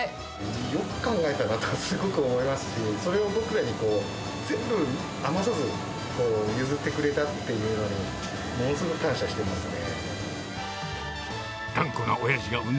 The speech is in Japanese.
よく考えたなと、すごく思いそれを僕らに全部、余さず、譲ってくれたというのも、ものすごく感謝してますね。